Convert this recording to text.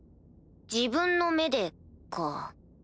自分の目でか。